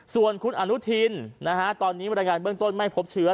ส่วนคุณอนุทินตอนนี้บรรยายงานเบื้องต้นไม่พบเชื้อ